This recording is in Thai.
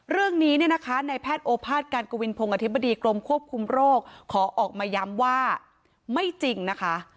เรื่องนี้เนี่ยนะคะในแพทย์โอภาษการกวินพงศ์อธิบดีกรมควบคุมโรคขอออกมาย้ำว่าไม่จริงนะคะ